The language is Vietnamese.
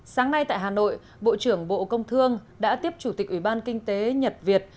sáng nay tại hà nội bộ trưởng bộ công thương đã tiếp chủ tịch ủy ban kinh tế nhật việt